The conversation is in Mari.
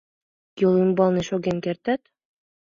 — Йол ӱмбалне шоген кертат?